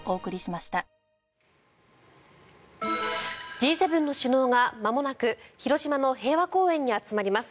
Ｇ７の首脳がまもなく広島の平和公園に集まります。